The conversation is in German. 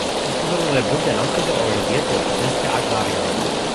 Insbesondere der Bund der Landwirte organisierte den Protest der Agrarier.